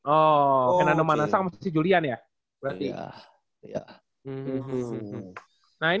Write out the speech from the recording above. oh fernando manassas sama si julian ya berarti